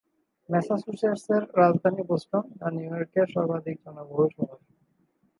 ম্যাসাচুসেটসের রাজধানী বোস্টন, যা নিউ ইংল্যান্ডের সর্বাধিক জনবহুল শহর।